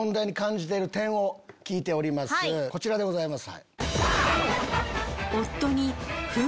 こちらでございます。